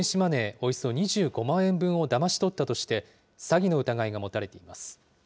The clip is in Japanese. およそ２５万円分をだまし取ったとして、詐欺の疑いが持たれています。